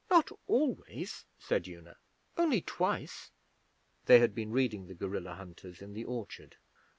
'Not always,' said Una. 'Only twice.' They had been reading The Gorilla Hunters in the orchard.